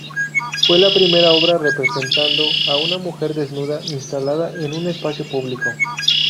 Fue la primera obra representando a una mujer desnuda instalada en un espacio público.